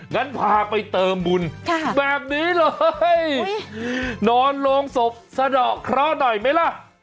งั้นพาไปเติมบุญแบบนี้เลยนอนโรงศพสะดอกเคราะห์หน่อยไหมล่ะ